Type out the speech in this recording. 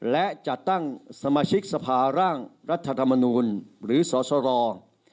และจัดตั้งสมาชิกสภาร่างรัฐธรรมนูลหรือสสร